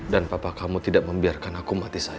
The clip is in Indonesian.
dan papa kamu tidak membiarkan aku mati sama dia